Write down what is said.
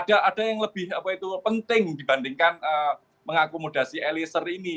ada yang lebih penting dibandingkan mengakomodasi eliezer ini